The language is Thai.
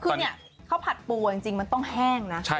ข้าวผัดปูจริงมันต้องแห้งนะ